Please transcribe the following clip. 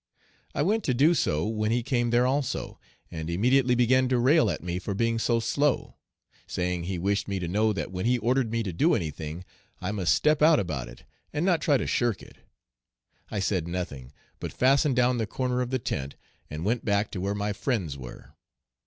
"I went to do so, when he came there also, and immediately began to rail at me for being so slow, saying he wished me to know that when he ordered me to do anything, I must 'step out' about it, and not try to shirk it. I said nothing, but fastened down the corner of the tent, and went back to where my friends were.